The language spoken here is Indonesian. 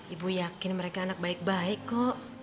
ibu yakin mereka anak baik baik kok